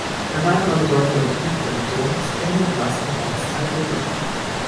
Ein weiterer bedeutender Betrieb der Region ist Engel Glas im Ortsteil Redl.